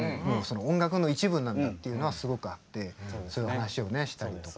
音楽の一部なんだっていうのはすごくあってそういう話をしたりとか。